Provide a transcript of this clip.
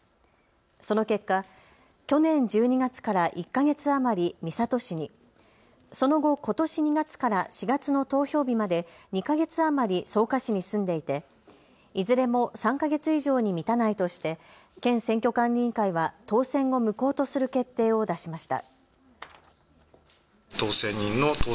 その結果、去年１２月から１か月余り三郷市に、その後、ことし２月から４月の投票日まで２か月余り草加市に住んでいて、いずれも３か月以上に満たないとして県選挙管理委員会は当選を無効とする決定を出しました。